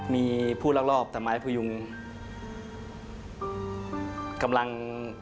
มีผู้รักรอบต่อไม้พยุง